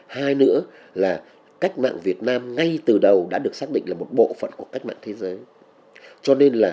hai nữa là cách mạng việt nam ngay từ đầu đã được xác định là một bộ phận của cách mạng thế giới